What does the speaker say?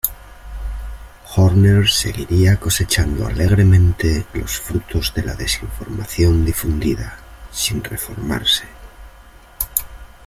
Horner seguiría cosechando alegremente los frutos de la desinformación difundida, sin reformarse.